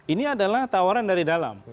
ini adalah tawaran dari dalam